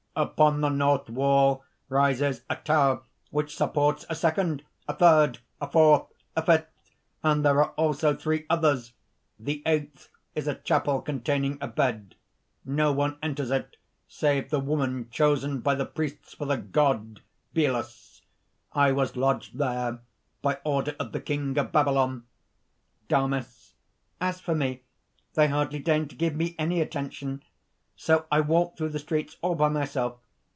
"Upon the north wall rises a tower which supports a second, a third, a fourth, a fifth, and there are also three others! The eighth is a chapel containing a bed. No one enters it save the woman chosen by the priests for the God Belus. I was lodged there by order of the King of Babylon." DAMIS. "As for me, they hardly deigned to give me any attention! So I walked through the streets all by myself.